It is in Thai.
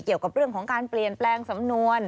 เกี่ยวกับเรื่องของการเปลี่ยนแปลงสำนวน